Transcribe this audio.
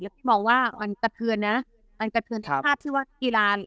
แล้วพี่บอกว่าอันกระเทือนนะอันกระเทือนภาพที่ว่ากีฬา